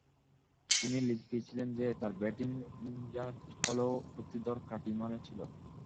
তিনি লিখেছিলেন যে, তার ব্যাটিং নির্ঝঞ্ঝাট হলেও শক্তিধর ও খাঁটিমানের ছিল।